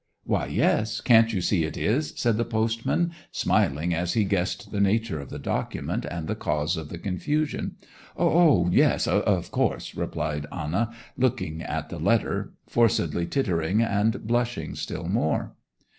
'Why, yes, can't you see it is?' said the postman, smiling as he guessed the nature of the document and the cause of the confusion. 'O yes, of course!' replied Anna, looking at the letter, forcedly tittering, and blushing still more.